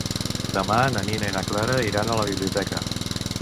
Demà na Nina i na Clara iran a la biblioteca.